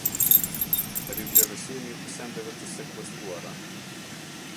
Rivlerësimi i sendeve të sekuestruara.